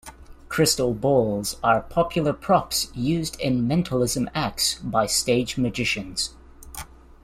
Crystal balls are popular props used in mentalism acts by stage magicians.